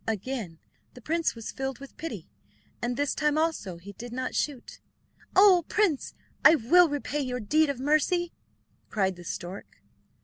Again the prince was filled with pity, and this time also he did not shoot. "Oh, prince, I will repay your deed of mercy," cried the stork.